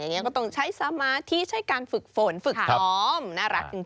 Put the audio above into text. อย่างนี้ก็ต้องใช้สมาธิใช้การฝึกฝนฝึกซ้อมน่ารักจริง